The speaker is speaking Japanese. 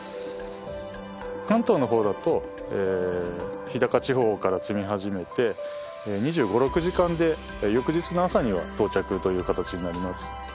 関東の方だと日高地方から積み始めて２５２６時間で翌日の朝には到着という形になります